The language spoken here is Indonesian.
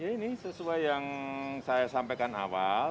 ini sesuai yang saya sampaikan awal